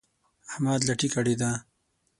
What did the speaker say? احمد لټي کړې ده.